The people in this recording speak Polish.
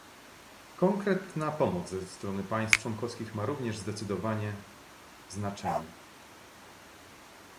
Konkretna pomoc ze strony państw członkowskich ma również zdecydowanie znaczenie